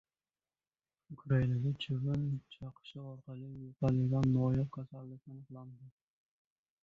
Ukrainada chivin chaqishi orqali yuqadigan noyob kasallik aniqlandi